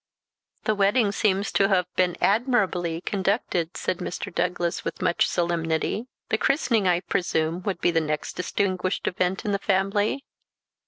"The wedding seems to have been admirably conducted," said Mr. Douglas, with much solemnity. "The christening, I presume, would be the next distinguished event in the family?"